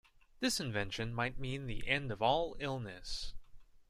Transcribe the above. This invention might mean the end of all illness.